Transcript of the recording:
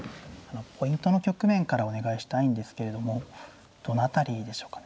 ポイントの局面からお願いしたいんですけれどもどの辺りでしょうかね。